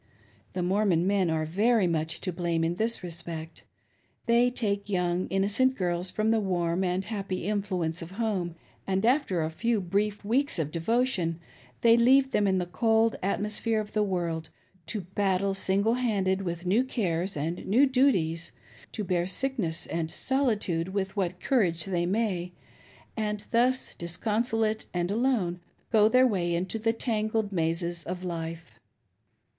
534 INCOMPATIBILITY. The Mormon men are very much to blame in this Tespedt. They take young innocent girls from the warm and happy influence of home, and after a few brief weeks of devotion, they leave them in the cold atmosphere of the world, to battle single handed with new cares and new duties, to bear sick ness and solitude with what courage they may, and thus, dis consolate and alone, go their way into the tangled mazes of life.